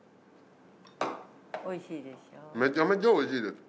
おいしいでしょ。